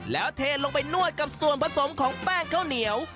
แล้วเทลงไปนวดกับส่วนผสมของแป้งข้าวเหนียว